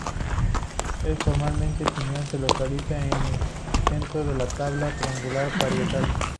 El foramen pineal se localiza en el centro de la tabla triangular parietal.